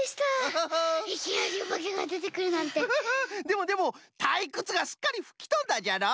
でもでもたいくつがすっかりふきとんだじゃろ？